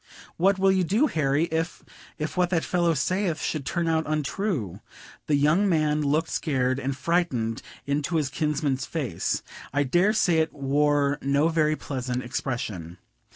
"What will you do, Harry, if if what that fellow saith should turn out untrue?" The young man looked scared and frightened into his kinsman's face; I dare say it wore no very pleasant expression.